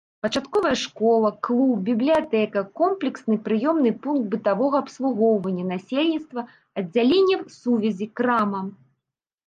Пачатковая школа, клуб, бібліятэка, комплексны прыёмны пункт бытавога абслугоўвання насельніцтва, аддзяленне сувязі, крама.